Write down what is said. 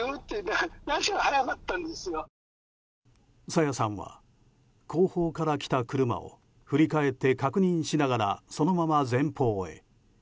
朝芽さんは後方から来た車を振り返って確認しながらそのまま前方へ。